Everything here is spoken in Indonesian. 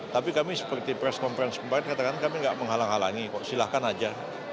tapi kami seperti press conference kemarin katakan kami tidak menghalang halangi kok silahkan aja